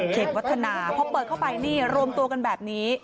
เข็กวัฒนาเพราะเปิดเข้าไปนี่โรมตัวกันแบบนี้